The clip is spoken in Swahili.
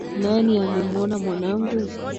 .Nani amemwona mwanangu?